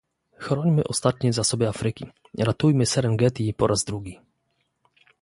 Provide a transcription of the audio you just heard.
Chrońmy ostatnie zasoby Afryki, ratujmy Serengeti po raz drugi